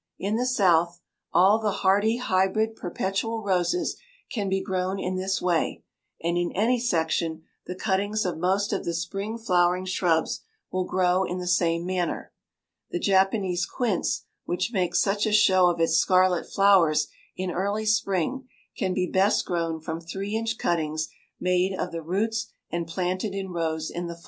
In the South all the hardy hybrid perpetual roses can be grown in this way, and in any section the cuttings of most of the spring flowering shrubs will grow in the same manner. The Japanese quince, which makes such a show of its scarlet flowers in early spring, can be best grown from three inch cuttings made of the roots and planted in rows in the fall.